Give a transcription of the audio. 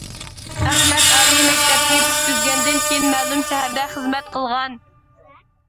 ئەخمەت ئالىي مەكتەپنى پۈتكۈزگەندىن كېيىن، مەلۇم شەھەردە خىزمەت قىلغان.